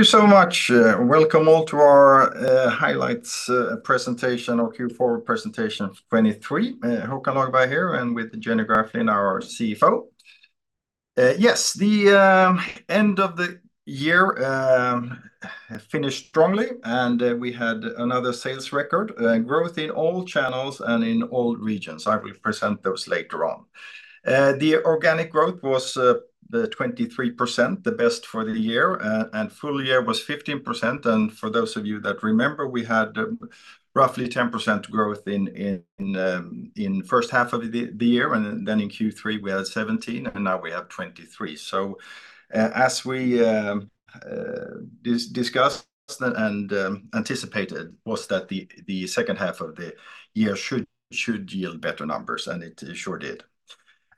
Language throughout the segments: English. Thank you so much. Welcome all to our highlights presentation or Q4 2023 presentation. Håkan Lagerberg here, and with Jenny Graflind, our CFO. Yes, the end of the year finished strongly, and we had another sales record growth in all channels and in all regions. I will present those later on. The organic growth was 23%, the best for the year, and full year was 15%. For those of you that remember, we had roughly 10% growth in the first half of the year, and then in Q3, we had 17%, and now we have 23%. So, as we discussed and anticipated, the second half of the year should yield better numbers, and it sure did.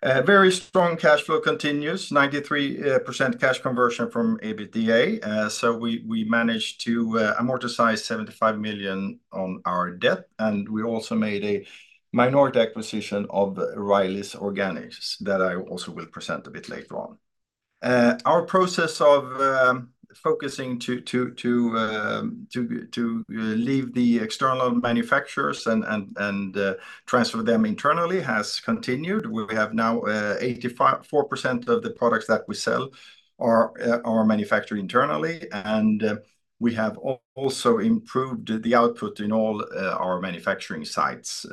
Very strong cash flow continues, 93% cash conversion from EBITDA. So we managed to amortize 75 million on our debt, and we also made a minority acquisition of Riley's Organics that I also will present a bit later on. Our process of focusing to leave the external manufacturers and transfer them internally has continued. We have now 84% of the products that we sell are manufactured internally, and we have also improved the output in all our manufacturing sites,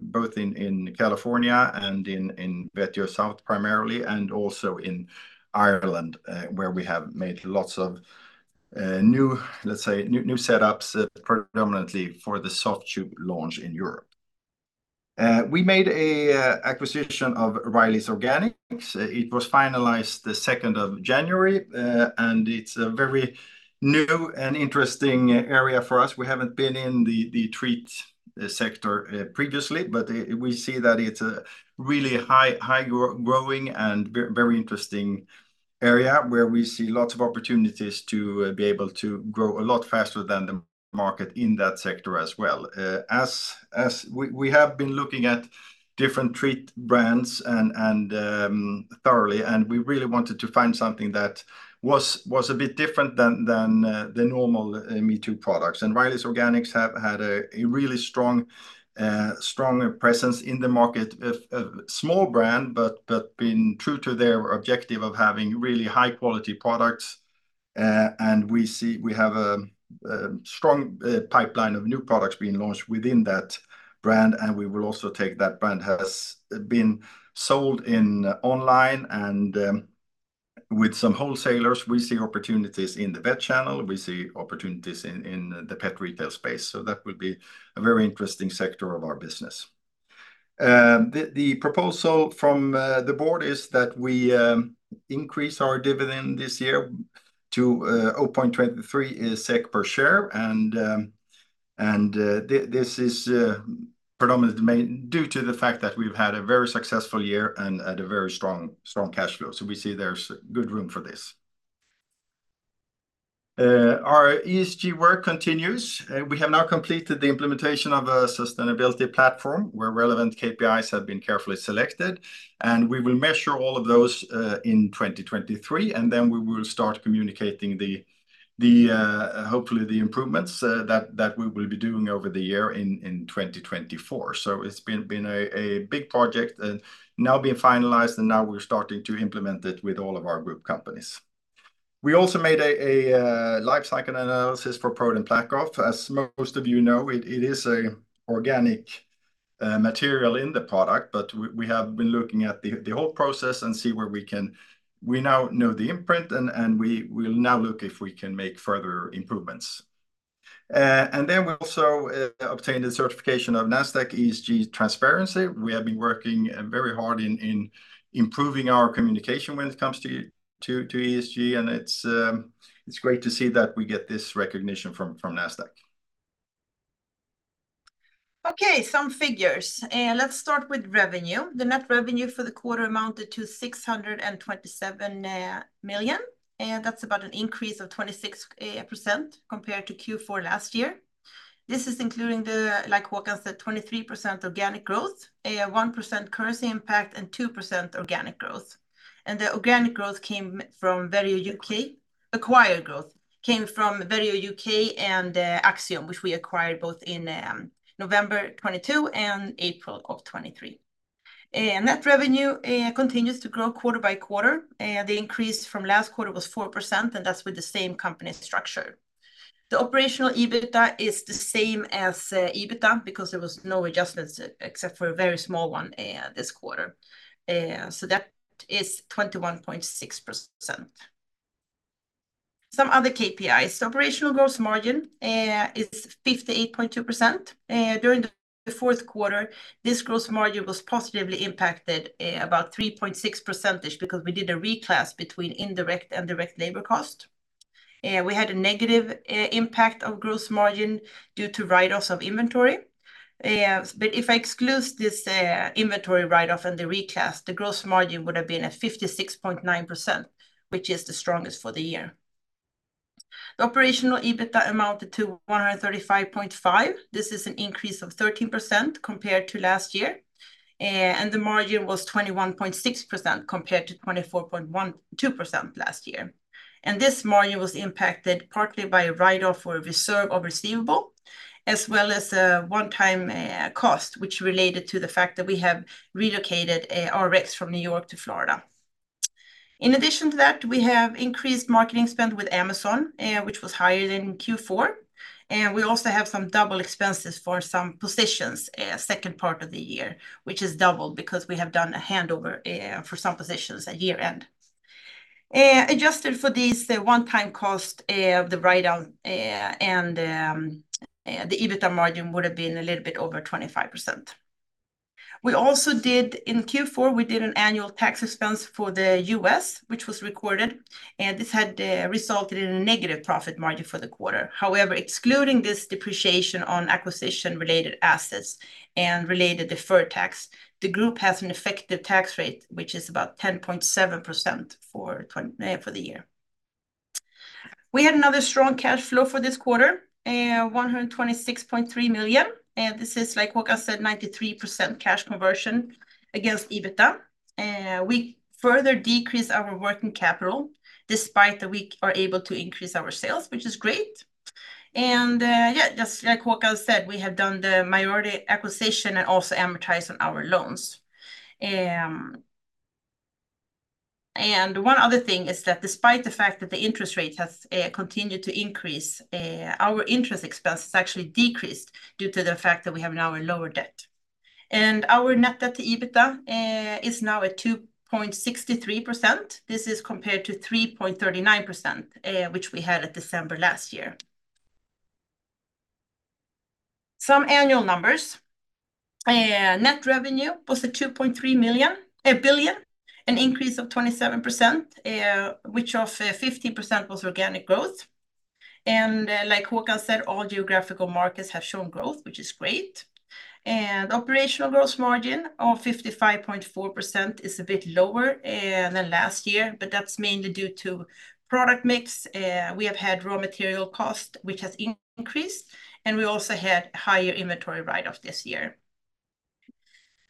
both in California and in Vetio South primarily, and also in Ireland, where we have made lots of, let's say, new setups, predominantly for the Soft Chews launch in Europe. We made an acquisition of Riley's Organics. It was finalized the second of January, and it's a very new and interesting area for us. We haven't been in the treat sector previously, but we see that it's a really high-growing and very interesting area, where we see lots of opportunities to be able to grow a lot faster than the market in that sector as well. As we have been looking at different treat brands and thoroughly, and we really wanted to find something that was a bit different than the normal me-too products. And Riley's Organics have had a really strong presence in the market. A small brand, but been true to their objective of having really high-quality products, and we see we have a strong pipeline of new products being launched within that brand, and we will also take that brand has been sold in online and with some wholesalers. We see opportunities in the vet channel. We see opportunities in the pet retail space. So that will be a very interesting sector of our business. The proposal from the board is that we increase our dividend this year to 0.23 SEK per share, and this is predominantly due to the fact that we've had a very successful year and had a very strong cash flow. So we see there's good room for this. Our ESG work continues. We have now completed the implementation of a sustainability platform, where relevant KPIs have been carefully selected, and we will measure all of those in 2023, and then we will start communicating hopefully the improvements that we will be doing over the year in 2024. So it's been a big project and now being finalized, and now we're starting to implement it with all of our group companies. We also made a life cycle analysis for ProDen PlaqueOff. As most of you know, it is a organic material in the product, but we have been looking at the whole process and see where we can. We now know the imprint, and we will now look if we can make further improvements. We also obtained a certification of Nasdaq ESG Transparency. We have been working very hard in improving our communication when it comes to ESG, and it's great to see that we get this recognition from Nasdaq. Okay, some figures. Let's start with revenue. The net revenue for the quarter amounted to 627 million, and that's about an increase of 26% compared to Q4 last year. This is including the, like Håkan said, 23% organic growth, a 1% currency impact, and 2% acquired growth. And the acquired growth came from Vetio UK and Axiom, which we acquired both in November 2022 and April of 2023. And net revenue continues to grow quarter by quarter. The increase from last quarter was 4%, and that's with the same company structure. The operational EBITDA is the same as EBITDA because there was no adjustments except for a very small one this quarter. So that is 21.6%. Some other KPIs. Operational gross margin is 58.2%. During the fourth quarter, this gross margin was positively impacted about 3.6 percentage because we did a reclass between indirect and direct labor cost. We had a negative impact on gross margin due to write-offs of inventory. But if I exclude this inventory write-off and the reclass, the gross margin would have been at 56.9%, which is the strongest for the year. The operational EBITDA amounted to 135.5 million. This is an increase of 13% compared to last year, and the margin was 21.6%, compared to 24.12% last year. This margin was impacted partly by a write-off for a reserve of receivable, as well as a one-time cost, which related to the fact that we have relocated our reps from New York to Florida. In addition to that, we have increased marketing spend with Amazon, which was higher than in Q4, and we also have some double expenses for some positions, second part of the year, which is doubled because we have done a handover for some positions at year-end. Adjusted for these, the one-time cost, the write-down, and the EBITDA margin would have been a little bit over 25%. In Q4, we did an annual tax expense for the U.S., which was recorded, and this had resulted in a negative profit margin for the quarter. However, excluding this depreciation on acquisition-related assets and related deferred tax, the group has an effective tax rate, which is about 10.7% for the year. We had another strong cash flow for this quarter, 126.3 million, and this is, like Håkan said, 93% cash conversion against EBITDA. We further decreased our working capital despite that we are able to increase our sales, which is great. And, yeah, just like Håkan said, we have done the minority acquisition and also amortized on our loans. And one other thing is that despite the fact that the interest rate has continued to increase, our interest expense has actually decreased due to the fact that we have now a lower debt. And our net debt to EBITDA is now at 2.63%. This is compared to 3.39%, which we had at December last year. Some annual numbers. Net revenue was at 2.3 billion, an increase of 27%, which was 50% was organic growth. And like Håkan said, all geographical markets have shown growth, which is great. And operational gross margin of 55.4% is a bit lower than last year, but that's mainly due to product mix. We have had raw material cost, which has increased, and we also had higher inventory write-off this year.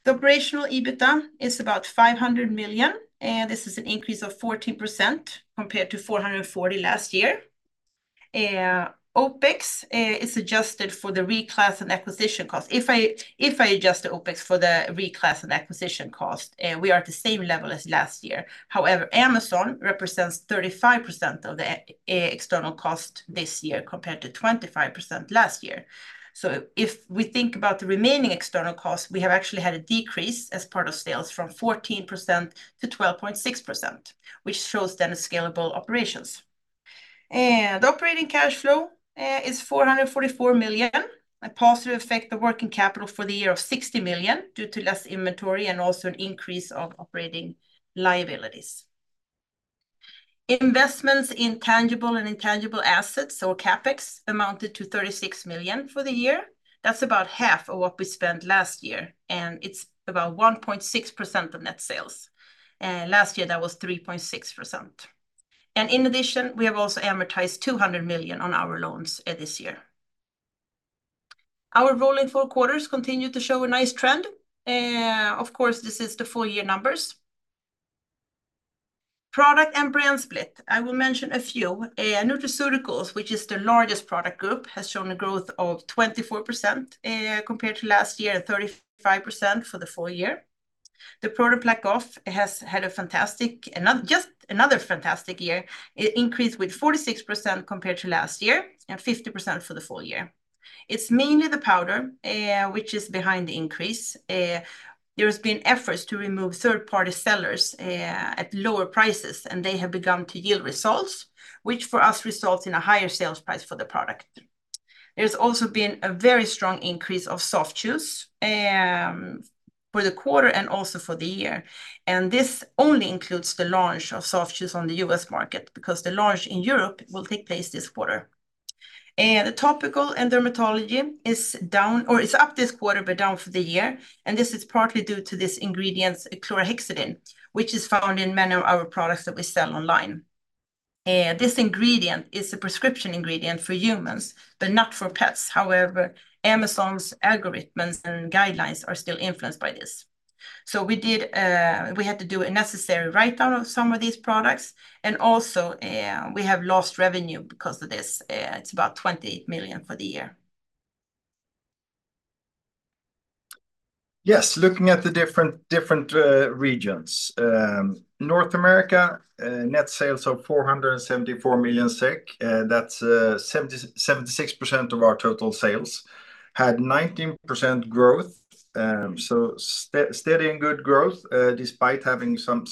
The operational EBITDA is about 500 million, this is an increase of 14%, compared to 440 million last year. OpEx is adjusted for the reclass and acquisition cost. If I adjust the OpEx for the reclass and acquisition cost, we are at the same level as last year. However, Amazon represents 35% of the external cost this year, compared to 25% last year. So if we think about the remaining external costs, we have actually had a decrease as part of sales from 14% to 12.6%, which shows then the scalable operations. The operating cash flow is 444 million, a positive effect of working capital for the year of 60 million, due to less inventory and also an increase of operating liabilities. Investments in tangible and intangible assets, so CapEx, amounted to 36 million for the year. That's about half of what we spent last year, and it's about 1.6% of net sales. Last year, that was 3.6%. In addition, we have also amortized 200 million on our loans this year. Our rolling four quarters continue to show a nice trend, of course, this is the full year numbers. Product and brand split. I will mention a few. Nutraceuticals, which is the largest product group, has shown a growth of 24%, compared to last year, and 35% for the full year. The product PlaqueOff has had a fantastic, and not just another fantastic year. It increased with 46% compared to last year and 50% for the full year. It's mainly the powder which is behind the increase. There has been efforts to remove third-party sellers, at lower prices, and they have begun to yield results, which for us results in a higher sales price for the product. There's also been a very strong increase of Soft Chews, for the quarter and also for the year, and this only includes the launch of Soft Chews on the U.S. market, because the launch in Europe will take place this quarter. The Topical and Dermatology is down, or it's up this quarter, but down for the year, and this is partly due to this ingredient, chlorhexidine, which is found in many of our products that we sell online. This ingredient is a prescription ingredient for humans, but not for pets. However, Amazon's algorithms and guidelines are still influenced by this. We did, we had to do a necessary write-down of some of these products, and also, we have lost revenue because of this. It's about 20 million for the year. Yes, looking at the different regions. North America, net sales of 474 million SEK, that's 77% of our total sales, had 19% growth. So steady and good growth, despite having some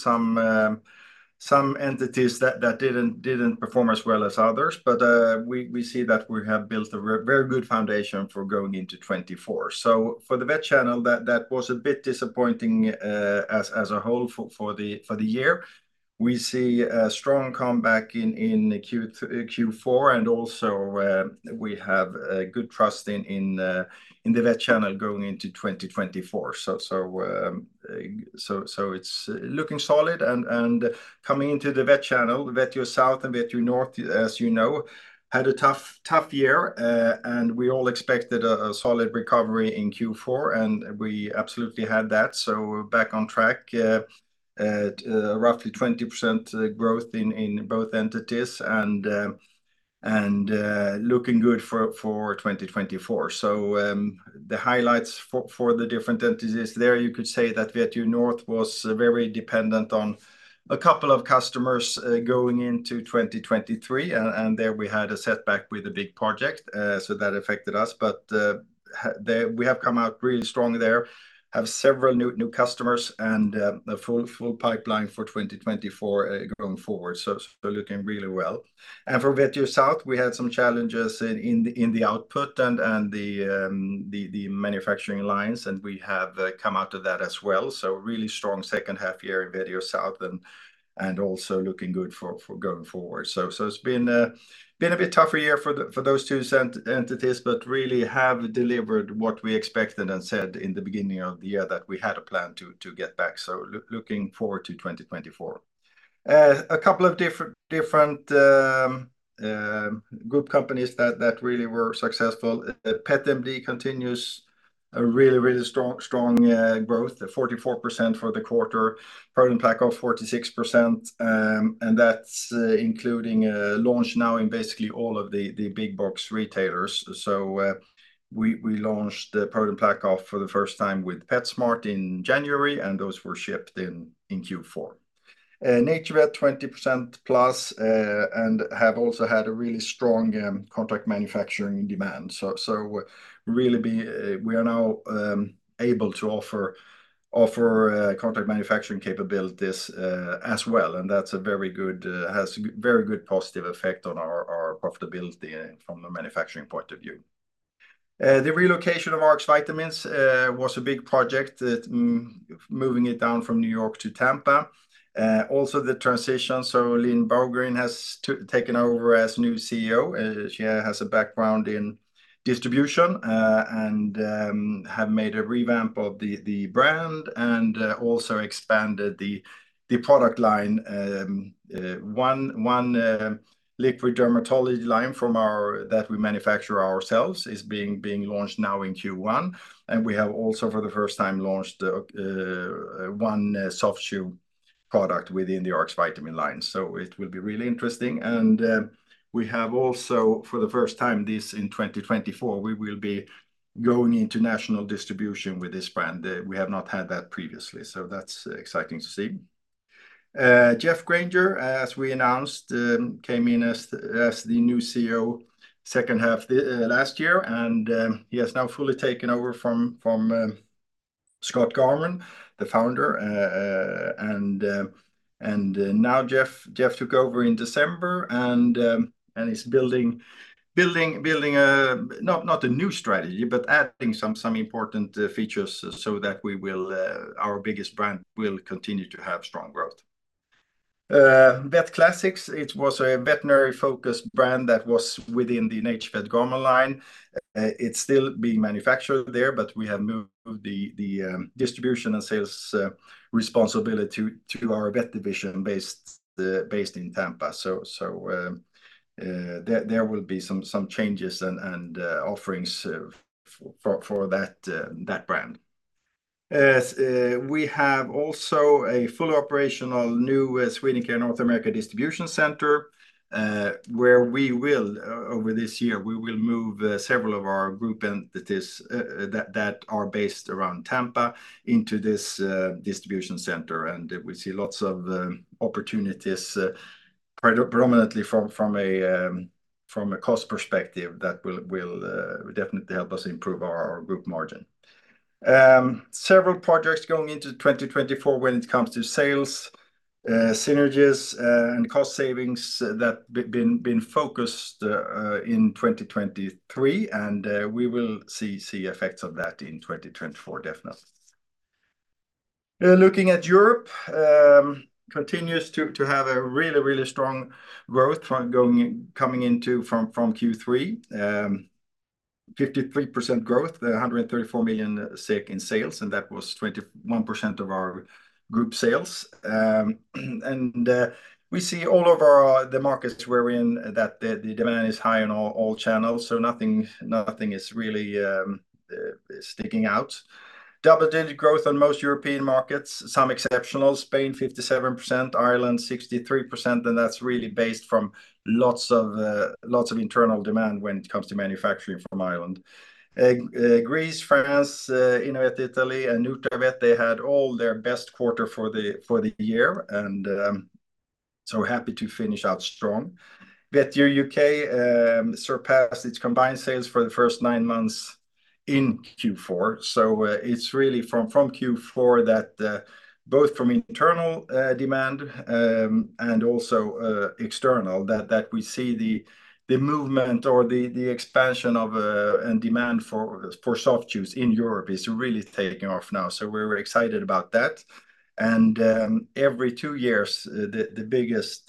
entities that didn't perform as well as others. But we see that we have built a very good foundation for going into 2024. So for the vet channel, that was a bit disappointing, as a whole for the year. We see a strong comeback in Q4, and also we have a good trust in the vet channel going into 2024. So it's looking solid and coming into the vet channel, Vetio South and Vetio North, as you know, had a tough year. And we all expected a solid recovery in Q4, and we absolutely had that. So we're back on track at roughly 20% growth in both entities, and looking good for 2024. So the highlights for the different entities there, you could say that Vetio North was very dependent on a couple of customers going into 2023, and there we had a setback with a big project. So that affected us, but we have come out really strong there. Have several new customers and a full pipeline for 2024 going forward, so looking really well. And for Vetio South, we had some challenges in the manufacturing lines, and we have come out of that as well. So really strong second half year in Vetio South, and also looking good for going forward. So it's been a bit tougher year for those two entities, but really have delivered what we expected and said in the beginning of the year that we had a plan to get back. So looking forward to 2024. A couple of different group companies that really were successful. Pet MD continues a really strong growth, 44% for the quarter. ProDen PlaqueOff 46%, and that's including a launch now in basically all of the big box retailers. So, we launched the ProDen PlaqueOff for the first time with PetSmart in January, and those were shipped in Q4. NaturVet 20%+, and have also had a really strong contract manufacturing demand. So, really we are now able to offer contract manufacturing capabilities as well, and that's a very good has very good positive effect on our profitability from the manufacturing point of view. The relocation of Rx Vitamins was a big project that moving it down from New York to Tampa. Also the transition, so Lynn Bowgren has taken over as new CEO. She has a background in distribution and have made a revamp of the brand and also expanded the product line. One liquid dermatology line that we manufacture ourselves is being launched now in Q1, and we have also, for the first time, launched one Soft Chew product within the Rx Vitamins line. So it will be really interesting, and we have also, for the first time, this in 2024, we will be going into national distribution with this brand. We have not had that previously, so that's exciting to see. Geoff Granger, as we announced, came in as the new CEO second half last year, and he has now fully taken over from Scott Garmon, the founder. Now Geoff took over in December, and he's building, not a new strategy, but adding some important features so that our biggest brand will continue to have strong growth. Vet Classics, it was a veterinary-focused brand that was within the NaturVet Garmon line. It's still being manufactured there, but we have moved the distribution and sales responsibility to our vet division based in Tampa. There will be some changes and offerings for that brand. We have also a fully operational new Swedencare North America distribution center, where we will, over this year, move several of our group entities that are based around Tampa into this distribution center, and we see lots of opportunities preeminently from a cost perspective that will definitely help us improve our group margin. Several projects going into 2024 when it comes to sales synergies and cost savings that been focused in 2023, and we will see effects of that in 2024, definitely. Looking at Europe, continues to have a really, really strong growth from Q3, 53% growth, 134 million in sales, and that was 21% of our group sales. We see all of our markets we're in that the demand is high in all channels, so nothing is really sticking out. Double-digit growth on most European markets. Some exceptional, Spain, 57%, Ireland, 63%, and that's really based from lots of internal demand when it comes to manufacturing from Ireland. Greece, France, Innovet Italy, and Nutravet, they had all their best quarter for the year, and so happy to finish out strong. Vetio UK surpassed its combined sales for the first nine months in Q4. So, it's really from Q4 that both from internal demand and also external that we see the movement or the expansion and demand for Soft Chews in Europe is really taking off now. So we're excited about that, and every two years, the biggest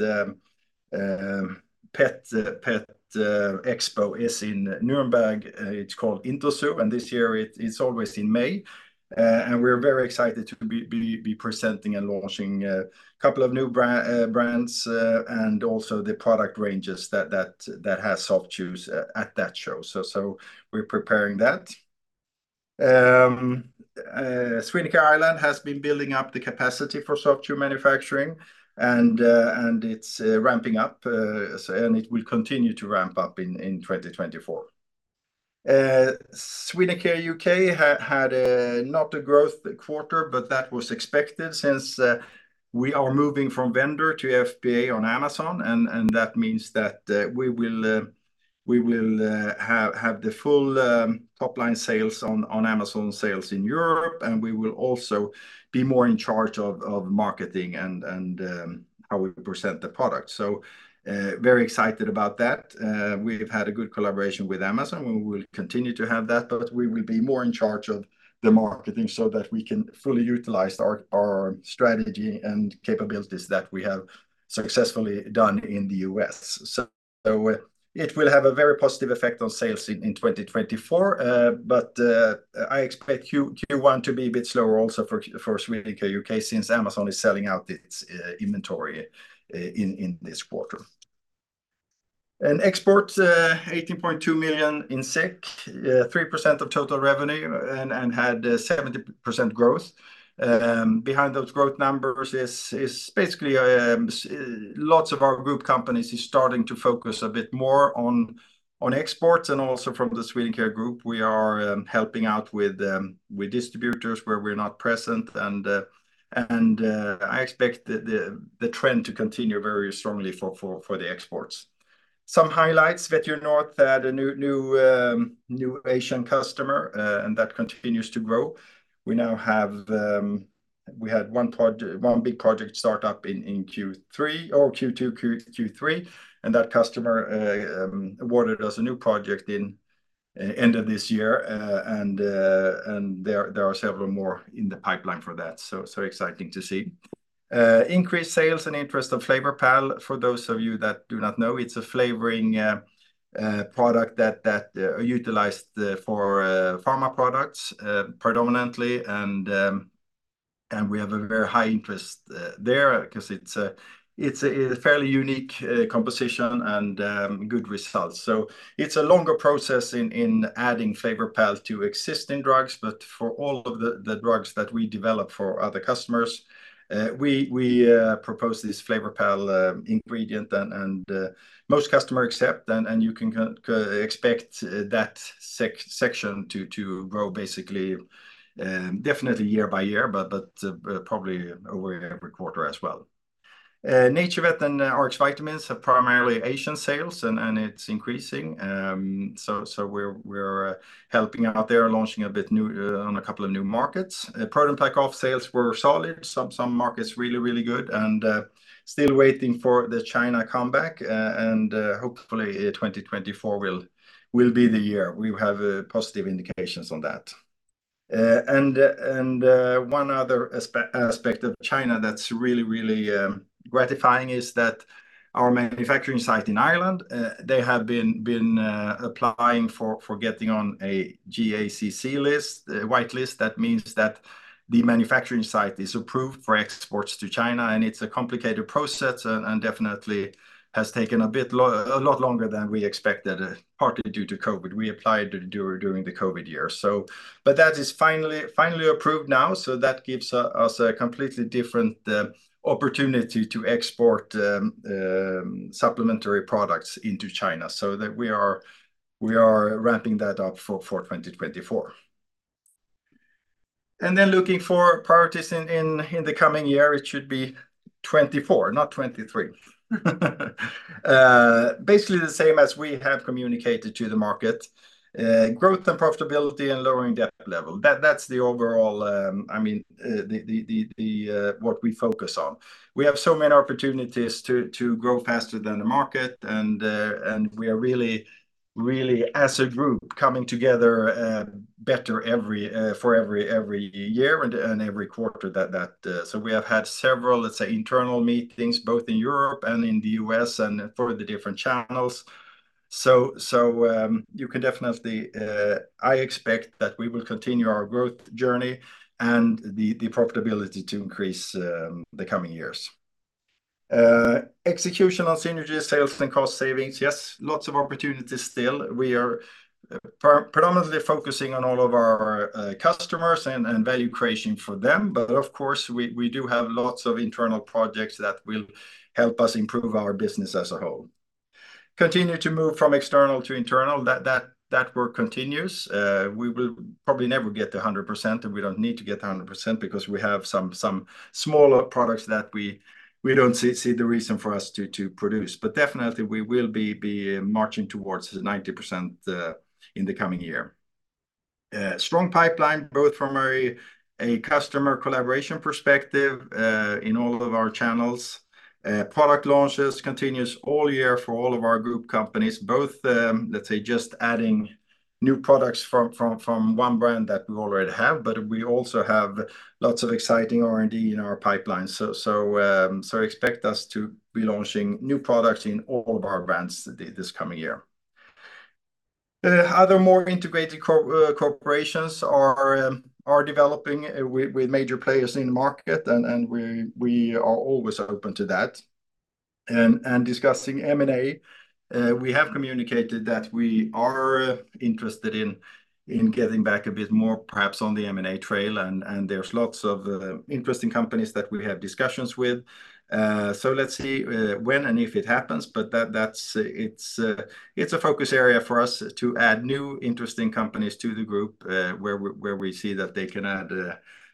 pet expo is in Nuremberg. It's called Interzoo, and this year, it's always in May. And we're very excited to be presenting and launching couple of new brands and also the product ranges that has Soft Chews at that show. So we're preparing that. Swedencare Ireland has been building up the capacity for soft chew manufacturing, and it's ramping up, and it will continue to ramp up in 2024. Swedencare UK had not a growth quarter, but that was expected since we are moving from vendor to FBA on Amazon, and that means that we will have the full top-line sales on Amazon sales in Europe, and we will also be more in charge of marketing and how we present the product. So, very excited about that. We've had a good collaboration with Amazon, and we will continue to have that, but we will be more in charge of the marketing so that we can fully utilize our, our strategy and capabilities that we have successfully done in the U.S. So, it will have a very positive effect on sales in, in 2024. But I expect Q1 to be a bit slower also for Swedencare UK, since Amazon is selling out its inventory in this quarter. And exports, 18.2 million, 3% of total revenue and had 70% growth. Behind those growth numbers is basically, lots of our group companies is starting to focus a bit more on exports and also from the Swedencare Group. We are helping out with distributors where we're not present, and I expect the trend to continue very strongly for the exports. Some highlights, Vetio North had a new Asian customer, and that continues to grow. We had one big project start up in Q2 or Q3, and that customer awarded us a new project in end of this year. And there are several more in the pipeline for that, so exciting to see. Increased sales and interest of FlavorPal. For those of you that do not know, it's a flavoring product that utilized for pharma products predominantly, and we have a very high interest there, 'cause it's a fairly unique composition and good results. So it's a longer process in adding FlavorPal to existing drugs, but for all of the drugs that we develop for other customers, we propose this FlavorPal ingredient. Most customers accept, and you can expect that section to grow basically, definitely year by year, but probably over every quarter as well. NaturVet and Rx Vitamins have primarily Asian sales, and it's increasing. So, we're helping out there, launching a bit new on a couple of new markets. ProDen PlaqueOff sales were solid. Some markets really good and still waiting for the China comeback, and hopefully 2024 will be the year. We have positive indications on that. And one other aspect of China that's really gratifying is that our manufacturing site in Ireland they have been applying for getting on a GACC white list. That means that the manufacturing site is approved for exports to China, and it's a complicated process and definitely has taken a lot longer than we expected, partly due to COVID. We applied during the COVID years, but that is finally, finally approved now, so that gives us a completely different opportunity to export supplementary products into China. So that we are ramping that up for 2024. Looking for priorities in the coming year, it should be 2024, not 2023. Basically the same as we have communicated to the market. Growth and profitability and lowering debt level, that's the overall, I mean, what we focus on. We have so many opportunities to grow faster than the market, and we are really, really, as a group, coming together better every year and every quarter that. So we have had several, let's say, internal meetings, both in Europe and in the U.S., and for the different channels. So you can definitely, I expect that we will continue our growth journey and the profitability to increase the coming years. Execution on synergies, sales, and cost savings, yes, lots of opportunities still. We are predominantly focusing on all of our customers and value creation for them, but of course, we do have lots of internal projects that will help us improve our business as a whole. Continue to move from external to internal, that work continues. We will probably never get to 100%, and we don't need to get to 100% because we have some smaller products that we don't see the reason for us to produce. But definitely, we will be marching towards the 90% in the coming year. Strong pipeline, both from a customer collaboration perspective, in all of our channels. Product launches continues all year for all of our group companies, both, let's say just adding new products from one brand that we already have, but we also have lots of exciting R&D in our pipeline. So expect us to be launching new products in all of our brands this coming year. Other more integrated corporations are developing with major players in the market, and we are always open to that. And discussing M&A, we have communicated that we are interested in getting back a bit more, perhaps on the M&A trail, and there's lots of interesting companies that we have discussions with. So let's see, when and if it happens, but that's it's a focus area for us to add new interesting companies to the group, where we see that they can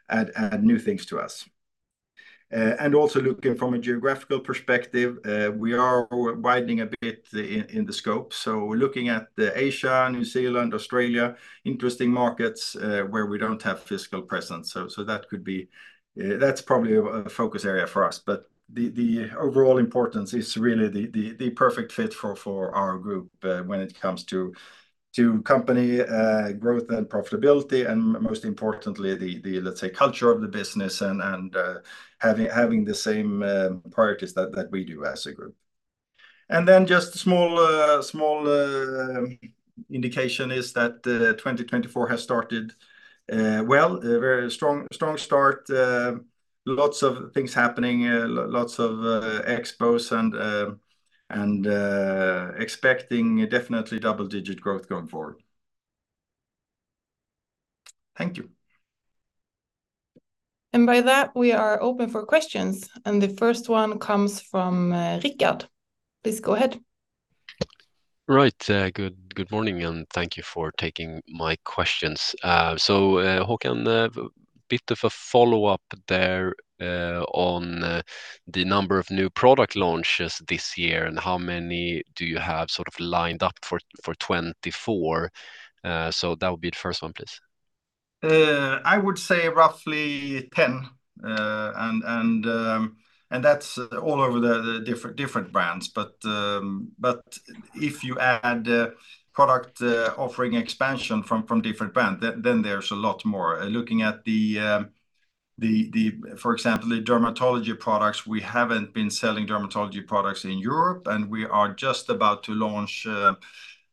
add new things to us. And also looking from a geographical perspective, we are widening a bit in the scope. So we're looking at Asia, New Zealand, Australia, interesting markets where we don't have physical presence. So that could be, that's probably a focus area for us. But the overall importance is really the perfect fit for our group when it comes to company growth and profitability, and most importantly, the, let's say, culture of the business and having the same priorities that we do as a group. And then just a small, small, indication is that 2024 has started well, a very strong, strong start, lots of things happening, lots of expos, and expecting definitely double-digit growth going forward. Thank you. By that, we are open for questions, and the first one comes from, Richard. Please go ahead. Right. Good morning, and thank you for taking my questions. So, Håkan, a bit of a follow-up there on the number of new product launches this year, and how many do you have sort of lined up for 2024? So that would be the first one, please. I would say roughly 10. And that's all over the different brands. But if you add product offering expansion from different brands, then there's a lot more. Looking at the, for example, the dermatology products, we haven't been selling dermatology products in Europe, and we are just about to launch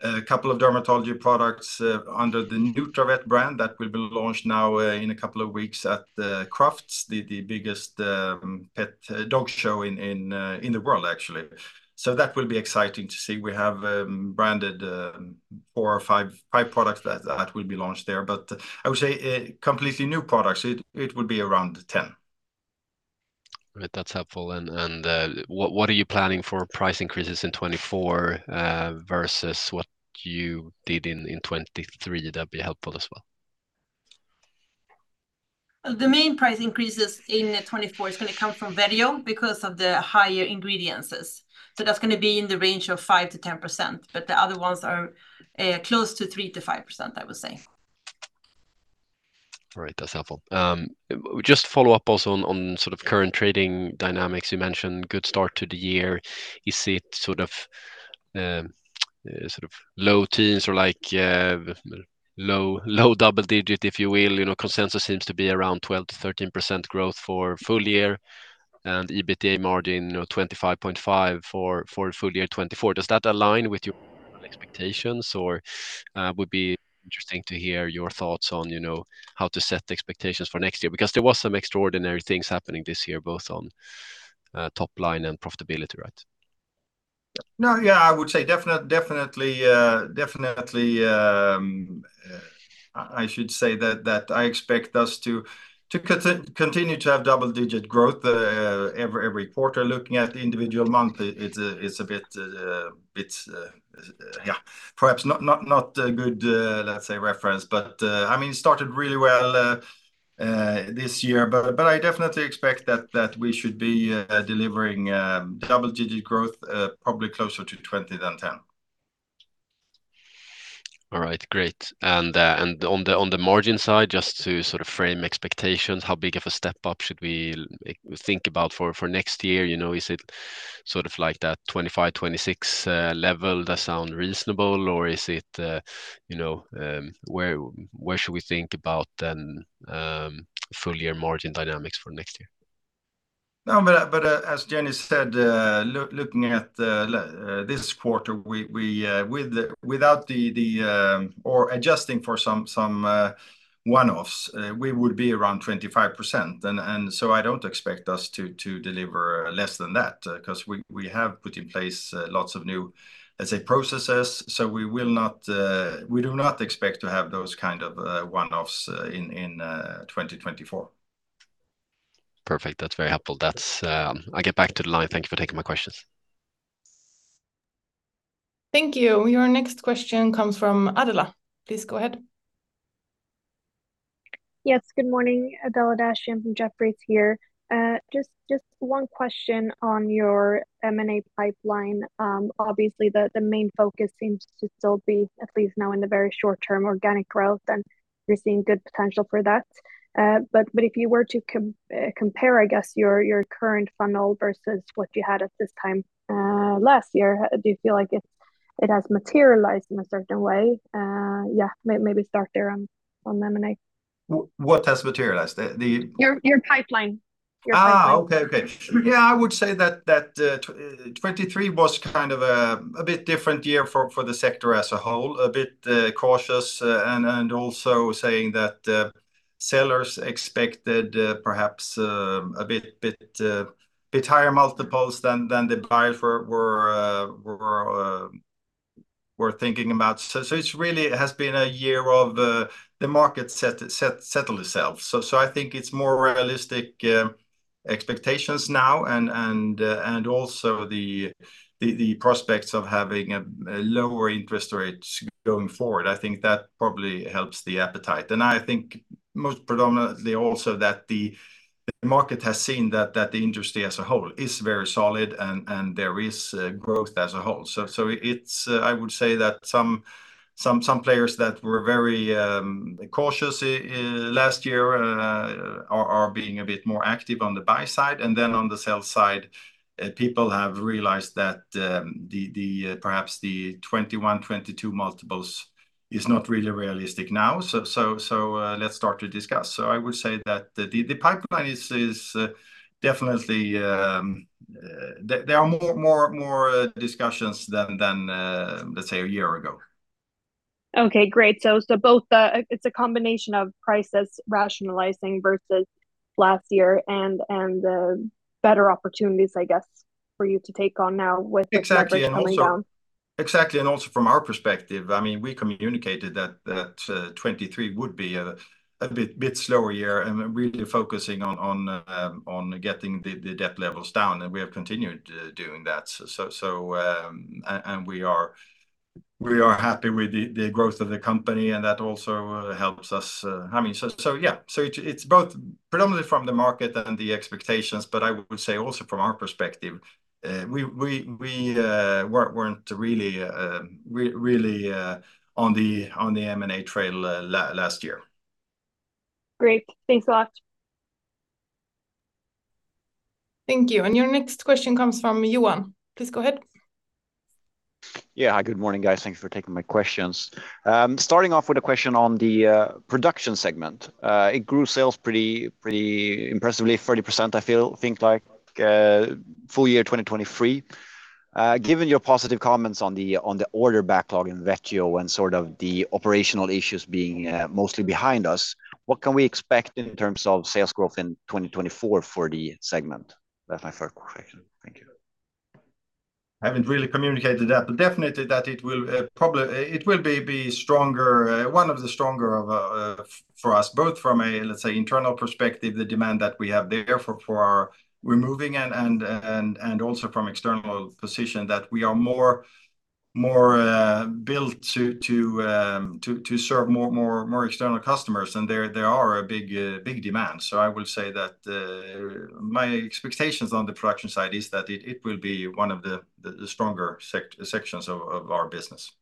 a couple of dermatology products under the Nutravet brand. That will be launched now in a couple of weeks at the Crufts, the biggest pet dog show in the world, actually. So that will be exciting to see. We have branded four or five products that will be launched there. But I would say completely new products, it would be around 10. Right. That's helpful. And what are you planning for price increases in 2024 versus what you did in 2023? That'd be helpful as well. The main price increases in 2024 is gonna come from Vetio because of the higher ingredients. So that's gonna be in the range of 5%-10%, but the other ones are close to 3%-5%, I would say. All right. That's helpful. Just to follow up also on sort of current trading dynamics. You mentioned good start to the year. Is it sort of low teens or like low double digit, if you will? You know, consensus seems to be around 12%-13% growth for full year and EBITDA margin, you know, 25.5 for full year 2024. Does that align with your expectations, or would be interesting to hear your thoughts on, you know, how to set the expectations for next year? Because there was some extraordinary things happening this year, both on top line and profitability, right? No, yeah, I would say definitely. I should say that I expect us to continue to have double-digit growth every quarter. Looking at the individual month, it's a bit, yeah, perhaps not a good, let's say, reference. But, I mean, it started really well this year. But I definitely expect that we should be delivering double-digit growth, probably closer to 20 than 10. All right, great. And on the margin side, just to sort of frame expectations, how big of a step up should we think about for next year? You know, is it sort of like that 25%-26% level? Does that sound reasonable, or is it, you know, where should we think about then full year margin dynamics for next year? No, but as Jenny said, looking at this quarter, we, without the, or adjusting for some one-offs, we would be around 25%. And so I don't expect us to deliver less than that, because we have put in place lots of new, let's say, processes. So we will not, we do not expect to have those kind of one-offs in 2024. Perfect. That's very helpful. I'll get back to the line. Thank you for taking my questions. Thank you. Your next question comes from Adela. Please go ahead. Yes, good morning. Adela Dashian from Jefferies here. Just one question on your M&A pipeline. Obviously, the main focus seems to still be, at least now in the very short term, organic growth, and you're seeing good potential for that. But if you were to compare, I guess, your current funnel versus what you had at this time last year, do you feel like it has materialized in a certain way? Yeah, maybe start there on M&A. What has materialized? Your pipeline. Ah, okay. Okay. Your pipeline. Yeah, I would say that 2023 was kind of a bit different year for the sector as a whole. A bit cautious, and also saying that sellers expected perhaps a bit higher multiples than the buyers were thinking about. So it's really has been a year of the market settle itself. So I think it's more realistic expectations now, and also the prospects of having a lower interest rates going forward. I think that probably helps the appetite. And I think most predominantly also that the market has seen that the industry as a whole is very solid and there is growth as a whole. I would say that some players that were very cautious last year are being a bit more active on the buy side, and then on the sell side, people have realized that perhaps the 2021, 2022 multiples is not really realistic now, so let's start to discuss. So I would say that the pipeline is definitely there. There are more discussions than, let's say, a year ago. Okay, great. So it's a combination of prices rationalizing versus last year and better opportunities, I guess, for you to take on now with Exactly, and also- Coming down. Exactly, and also from our perspective, I mean, we communicated that 2023 would be a bit slower year, and we're really focusing on getting the debt levels down, and we have continued doing that. So and we are happy with the growth of the company, and that also helps us. I mean, so yeah. So it's both predominantly from the market and the expectations, but I would say also from our perspective, we weren't really on the M&A trail last year. Great, thanks a lot. Thank you, and your next question comes from Johan. Please go ahead. Yeah. Hi, good morning, guys. Thank you for taking my questions. Starting off with a question on the production segment. It grew sales pretty, pretty impressively, 30%, I feel, think like full year 2023. Given your positive comments on the order backlog in Vetio and sort of the operational issues being mostly behind us, what can we expect in terms of sales growth in 2024 for the segment? That's my first question. Thank you. I haven't really communicated that, but definitely that it will probably. It will be stronger, one of the stronger for us, both from a, let's say, internal perspective, the demand that we have there for our removing and also from external position, that we are more built to serve more external customers, and there are a big demand. So I will say that, my expectations on the production side is that it will be one of the stronger sections of our business.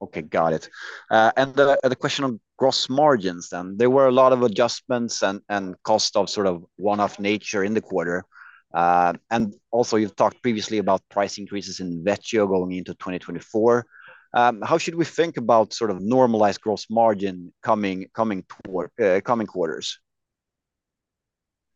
Okay, got it. And the question on gross margins then. There were a lot of adjustments and cost of sort of one-off nature in the quarter. And also, you've talked previously about price increases in Vetio going into 2024. How should we think about sort of normalized gross margin coming quarters?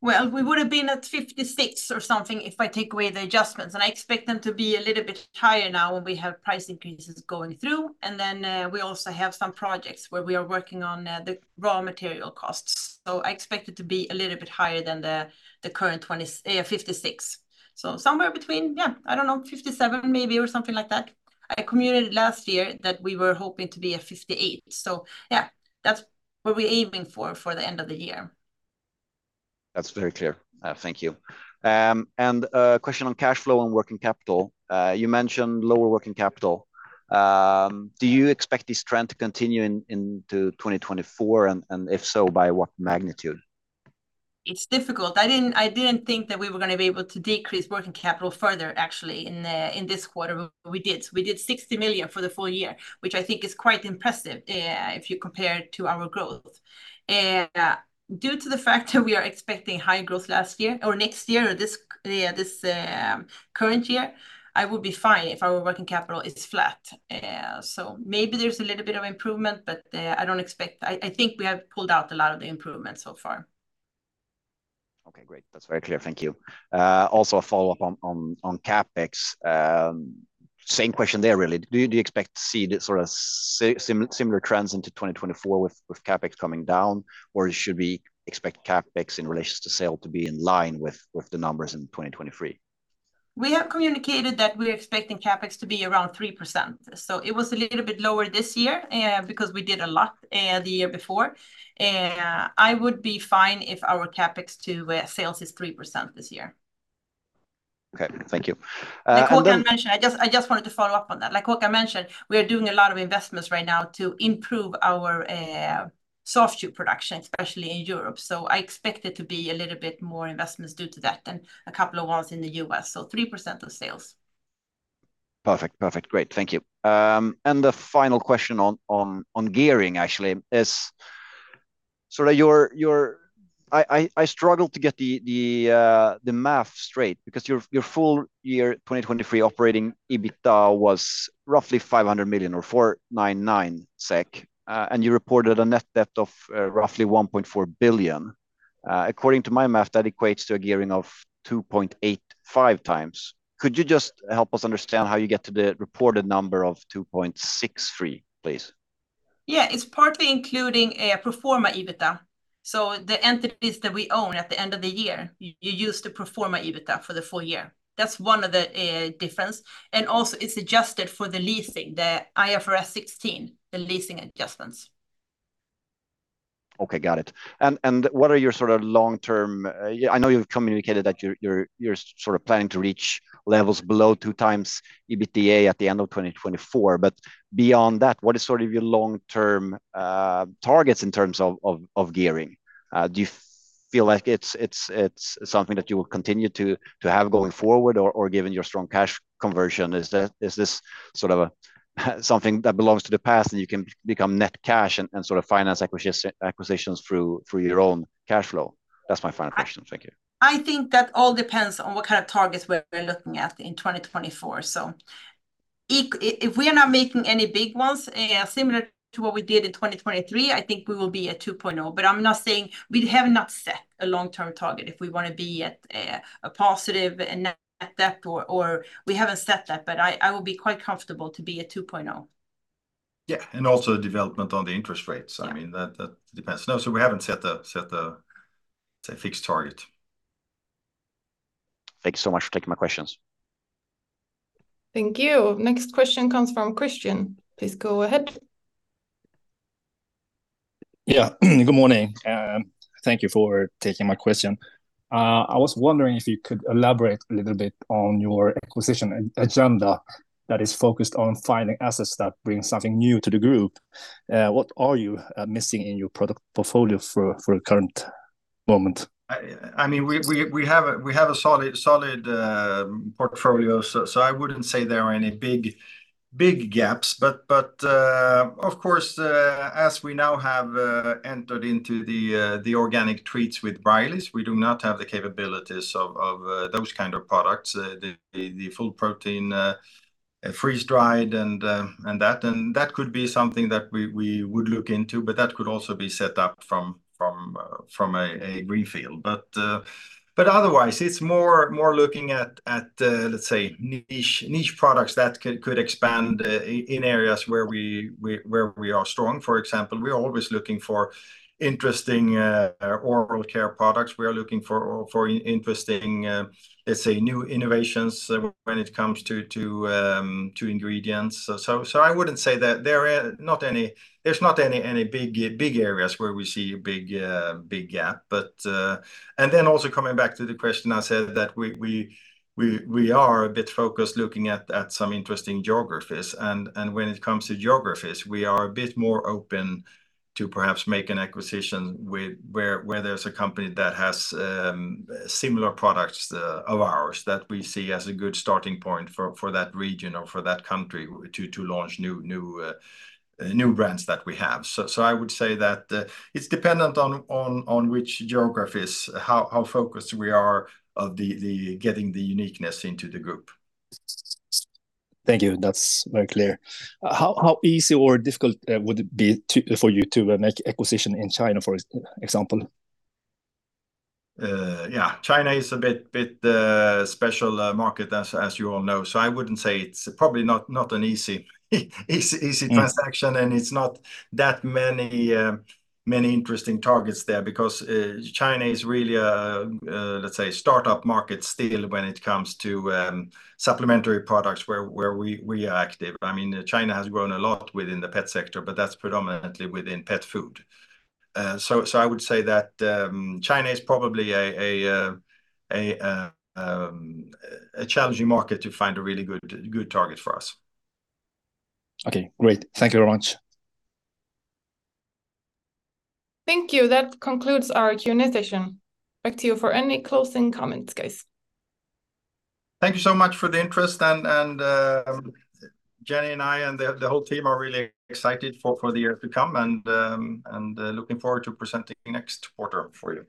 Well, we would've been at 56 or something if I take away the adjustments, and I expect them to be a little bit higher now when we have price increases going through. Then, we also have some projects where we are working on the raw material costs. So I expect it to be a little bit higher than the current 56. So somewhere between, yeah, I don't know, 57 maybe, or something like that. I communicated last year that we were hoping to be at 58. So yeah, that's what we're aiming for for the end of the year. That's very clear. Thank you. A question on cash flow and working capital. You mentioned lower working capital. Do you expect this trend to continue in, into 2024? And, and if so, by what magnitude? It's difficult. I didn't think that we were gonna be able to decrease working capital further, actually, in this quarter. We did. We did 60 million for the full year, which I think is quite impressive, if you compare it to our growth. Due to the fact that we are expecting high growth last year or next year, or this current year, I would be fine if our working capital is flat. So maybe there's a little bit of improvement, but I don't expect. I think we have pulled out a lot of the improvement so far. Okay, great. That's very clear. Thank you. Also a follow-up on CapEx. Same question there, really. Do you expect to see the sort of similar trends into 2024 with CapEx coming down, or should we expect CapEx in relation to sales to be in line with the numbers in 2023? We have communicated that we're expecting CapEx to be around 3%, so it was a little bit lower this year, because we did a lot the year before. I would be fine if our CapEx to sales is 3% this year. Okay, thank you. And then- Like Håkan mentioned, I just, I just wanted to follow up on that. Like Håkan mentioned, we are doing a lot of investments right now to improve our Soft Chew production, especially in Europe. So I expect it to be a little bit more investments due to that than a couple of ones in the US, so 3% of sales. Perfect, perfect. Great, thank you. And the final question on gearing, actually, is I struggle to get the math straight, because your full year 2023 operating EBITDA was roughly 500 million or 499 million SEK. And you reported a net debt of roughly 1.4 billion. According to my math, that equates to a gearing of 2.85x. Could you just help us understand how you get to the reported number of 2.63, please? Yeah, it's partly including a pro forma EBITDA. So the entities that we own at the end of the year, you use the pro forma EBITDA for the full year. That's one of the difference, and also it's adjusted for the leasing, the IFRS 16, the leasing adjustments. Okay, got it. And what are your sort of long-term? Yeah, I know you've communicated that you're sort of planning to reach levels below 2x EBITDA at the end of 2024. But beyond that, what is sort of your long-term targets in terms of gearing? Do you feel like it's something that you will continue to have going forward? Or, given your strong cash conversion, is that something that belongs to the past, and you can become net cash and sort of finance acquisitions through your own cash flow? That's my final question. Thank you. I think that all depends on what kind of targets we're looking at in 2024. So if we are not making any big ones, similar to what we did in 2023, I think we will be at 2.0. But I'm not saying we have not set a long-term target. If we wanna be at a positive net debt or we haven't set that, but I will be quite comfortable to be at 2.0. Yeah, and also development on the interest rates. Yeah. I mean, that depends. No, so we haven't set a, let's say, fixed target. Thank you so much for taking my questions. Thank you. Next question comes from Christian. Please go ahead. Yeah, good morning, and thank you for taking my question. I was wondering if you could elaborate a little bit on your acquisition agenda that is focused on finding assets that bring something new to the group. What are you missing in your product portfolio for the current moment? I mean, we have a solid portfolio, so I wouldn't say there are any big gaps. But of course, as we now have entered into the organic treats with Riley's, we do not have the capabilities of those kind of products. The full protein freeze-dried and that could be something that we would look into, but that could also be set up from a greenfield. But otherwise, it's more looking at, let's say, niche products that could expand in areas where we are strong. For example, we are always looking for interesting oral care products. We are looking for interesting, let's say, new innovations when it comes to ingredients. So, I wouldn't say that there are not any big areas where we see a big gap. Then also coming back to the question, I said that we are a bit focused, looking at some interesting geographies. And when it comes to geographies, we are a bit more open to perhaps make an acquisition where there's a company that has similar products of ours that we see as a good starting point for that region or for that country to launch new brands that we have. I would say that it's dependent on which geographies, how focused we are on getting the uniqueness into the group. Thank you. That's very clear. How easy or difficult would it be for you to make acquisition in China, for example? Yeah, China is a bit special market, as you all know. So I wouldn't say it's probably not an easy transaction, and it's not that many interesting targets there. Because China is really a, let's say, start-up market still when it comes to supplementary products where we are active. I mean, China has grown a lot within the pet sector, but that's predominantly within pet food. So I would say that China is probably a challenging market to find a really good target for us. Okay, great. Thank you very much. Thank you. That concludes our Q&A session. Back to you for any closing comments, guys. Thank you so much for the interest, and Jenny and I, and the whole team are really excited for the year to come, and looking forward to presenting next quarter for you.